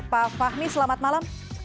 pak fahmi selamat malam